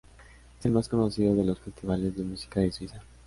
Es el más conocido de los festivales de música de Suiza.